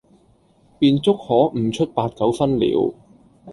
便足可悟出八九分了。